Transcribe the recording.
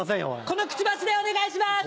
このくちばしでお願いします！